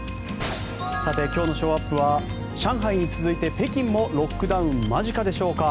今日のショーアップは上海に続いて北京もロックダウン間近でしょうか。